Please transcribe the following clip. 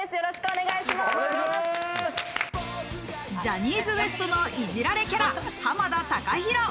ジャニーズＷＥＳＴのいじられキャラ、濱田祟裕。